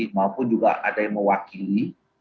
maupun juga ada yang mewakili